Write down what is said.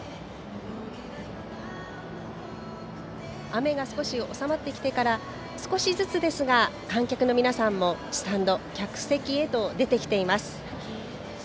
雨が少し収まってきてから少しずつですが観客の皆さんもスタンド、客席へと出てきています。